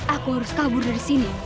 aku harus kabur dari sini